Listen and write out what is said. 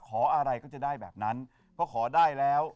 ขออะไรก็จะได้แบบนั้นเพราะขอได้แล้ว